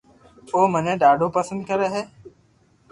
او مني ڌاڌو پسند ڪري ھي